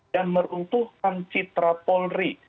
dan meruntuhkan citra polri